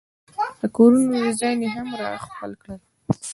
د کورونو ډیزاین یې هم را خپل کړل.